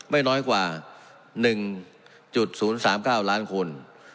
ไม่น้อยกว่า๑๐๓๙ล้านคน